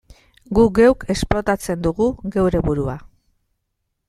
Guk geuk esplotatzen dugu geure burua.